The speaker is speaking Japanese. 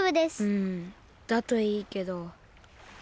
うんだといいけど。